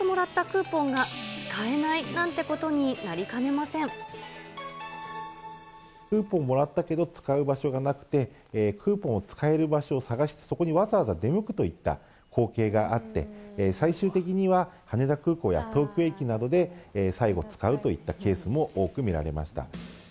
クーポンをもらったけど、使える場所がなくて、クーポンを使える場所を探して、そこにわざわざ出向くといった光景があって、最終的には羽田空港や東京駅などで最後、使うといったケースも多く見られました。